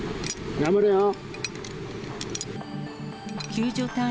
頑張れよー。